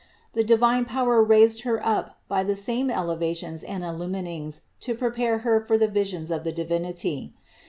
The divine power raised Her up by the same elevations and illuminings to prepare Her for the visions of the Divinity.